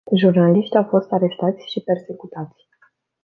Jurnaliști au fost arestați și persecutați.